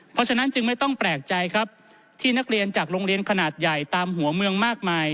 เพราะฉะนั้นจึงไม่ต้องแปลกใจครับที่นักเรียนจากโรงเรียนขนาดใหญ่ตามหัวเมืองมากมาย